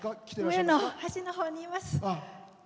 上の端のほうにいます。